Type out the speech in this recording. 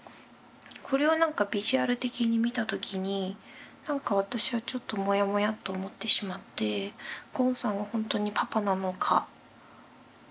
これを何かビジュアル的に見た時に何か私はちょっとモヤモヤっと思ってしまってゴンさんは本当にパパなのかっていう疑問を抱いてしまいました。